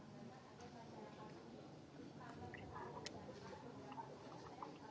ya kondisi seperti itu